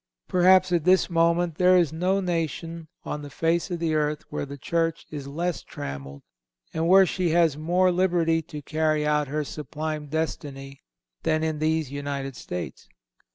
Perhaps at this moment there is no nation on the face of the earth where the Church is less trammelled, and where she has more liberty to carry out her sublime destiny than in these United States.